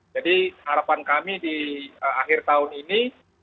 jadi harapan kami di akhir tahun ini